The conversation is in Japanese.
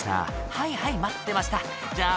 「はいはい待ってましたじゃあ